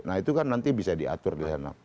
nah itu kan nanti bisa diatur di sana